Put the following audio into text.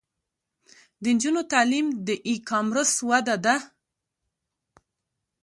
د نجونو تعلیم د ای کامرس وده ده.